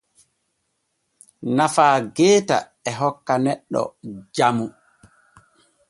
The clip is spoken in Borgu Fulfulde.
Nafa geeta e hokka neɗɗo jamu.